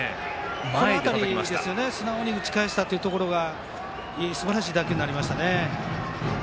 この辺り、素直に打ち返したところがすばらしい打球になりました。